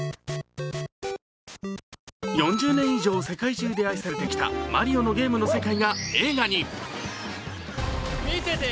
４０年以上世界中で愛されてきたマリオのゲームの世界が映画に。